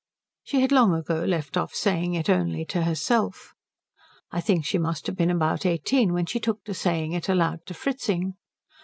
She had long ago left off saying it only to herself. I think she must have been about eighteen when she took to saying it aloud to Fritzing.